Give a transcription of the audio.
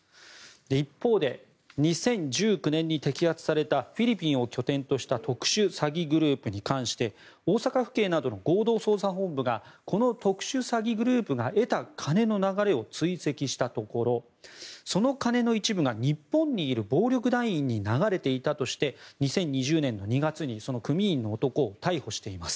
一方で２０１９年に摘発されたフィリピンを拠点とした特殊詐欺グループに関して大阪府警などの合同捜査本部がこの特殊詐欺グループが得た金の流れを追跡したところその金の一部が日本にいる暴力団員に流れていたとして２０２０年の２月にその組員の男を逮捕しています。